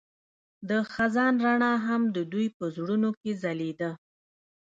د خزان رڼا هم د دوی په زړونو کې ځلېده.